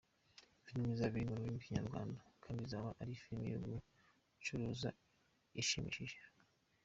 Filime izaba iri mu rurimi rw’ikinyarwanda kandi izaba ari filimi yo gucuruza ishimishije.